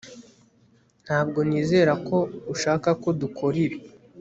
Ntabwo nizera ko ushaka ko dukora ibi